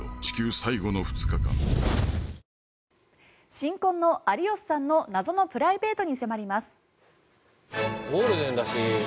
新婚の有吉さんの謎のプライベートに迫ります。